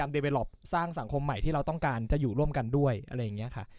ที่สองคือเราต้องกำลังจะดูกันใหม่